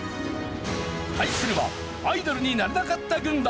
対するはアイドルになれなかった軍団！